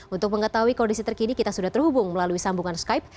untuk mengetahui kondisi terkini kita sudah terhubung melalui sambungan skype